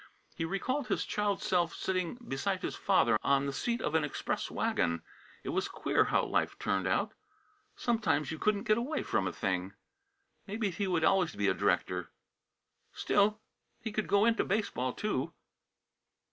He recalled his child self sitting beside his father on the seat of an express wagon. It was queer how life turned out sometimes you couldn't get away from a thing. Maybe he would always be a director; still he could go into baseball, too.